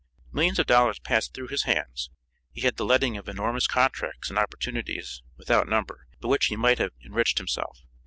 Millions of dollars passed through his hands; he had the letting of enormous contracts, and opportunities, without number, by which he might have enriched himself.